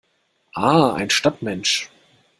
Ah, ein Stadtmensch!